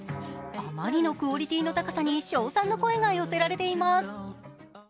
あまりのクオリティーの高さに称賛の声が寄せられています。